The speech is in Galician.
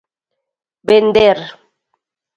Vender.